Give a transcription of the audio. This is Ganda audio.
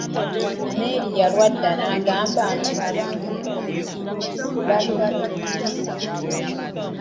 Merry yalwa edda n'agamba nti Abange mulabe, bo bali babiri bokka.